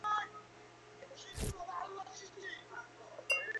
জানেন আমাকে ঘরকন্না থেকে বরখাস্ত করলে সেটা একটুও সস্তা হবে না।